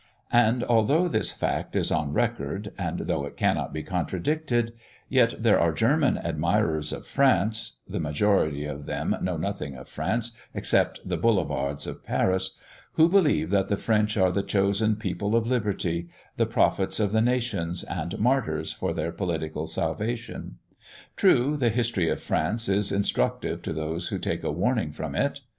And although this fact is on record, and though it cannot be contradicted, yet there are German admirers of France (the majority of them know nothing of France except the boulevards of Paris), who believe that the French are the chosen people of liberty, the prophets of the nations, and martyrs for their political salvation. True, the history of France is instructive to those who take a warning from it.